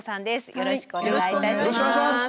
よろしくお願いします。